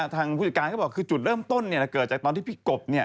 ผู้จัดการเขาบอกคือจุดเริ่มต้นเกิดจากตอนที่พี่กบ